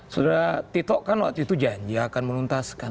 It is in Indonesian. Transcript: sudah titok kan waktu itu janji akan menuntaskan